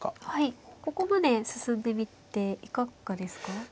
はいここまで進んでみていかがですか。